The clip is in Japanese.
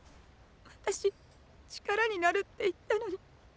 私「力になる」って言ったのに。